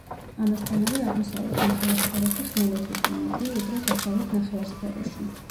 ამასთანავე აღმოსავლეთ ნახევარსფეროში ხმელეთი უფრო მეტია, ვიდრე დასავლეთ ნახევარსფეროში.